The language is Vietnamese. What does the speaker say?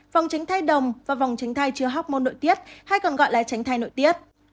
vòng tránh thay đồng và vòng tránh thai chứa học môn nội tiết hay còn gọi là tránh thai nội tiết